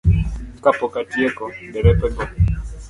Kapok atieko, derepego